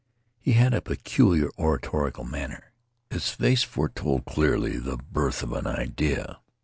He had a peculiar oratorical manner. His face fore told clearly the birth of an idea.